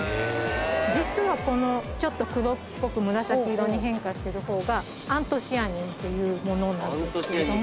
実はちょっと黒っぽく紫色に変化してる方がアントシアニンっていうものなんですけれども。